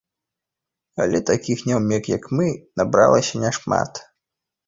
Але такіх няўмек, як мы, набралася няшмат.